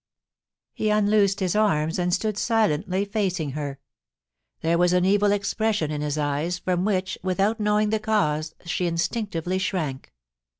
He unloosed his arms and stood silently facing her. There was an evil expression in his eyes, from which, with out knowing the cause, she instinctively shrank.